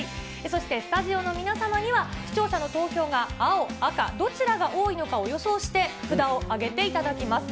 そしてスタジオの皆様には、視聴者の投票が青、赤、どちらが多いのかを予想して、札を上げていただきます。